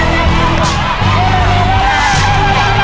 เร็วเร็วเร็ว